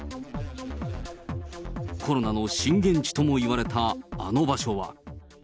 コロナの震源地ともいわれたあの場所は。